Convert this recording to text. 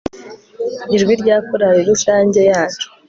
ijwi rya korari rusange yacu